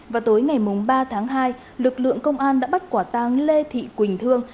vào tối ngày ba tháng hai lực lượng công an đã bắt quả tang lê thị quỳnh thương